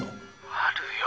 あるよ！